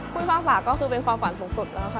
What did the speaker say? ภูสิคภาคศาสตร์ก็คือเป็นความฝันสุขสุดแล้วค่ะ